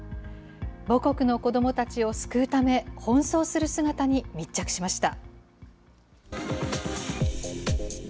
母国の子どもたちを救うため、奔走する姿に密着しました。